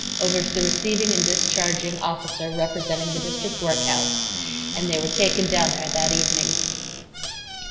. over to the receiving and discharging officer representing the District Workhouse, and they were taken down there that evening.